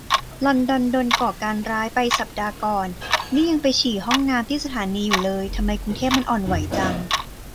ลอนดอนโดนก่อการร้ายไปสัปดาห์ก่อน นี่ยังไปฉี่ในห้องน้ำที่สถานีอยู่เลย ทำไมกรุงเทพมันอ่อนไหวจัง